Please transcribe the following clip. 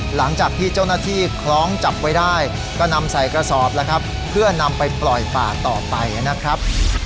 หลังจากที่เจ้าหน้าที่คล้องจับไว้ได้ก็นำใส่กระสอบแล้วครับเพื่อนำไปปล่อยป่าต่อไปนะครับ